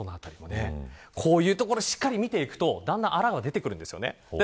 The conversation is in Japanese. こういうところをしっかり見ていくと、だんだんあらが出てくるんですよね。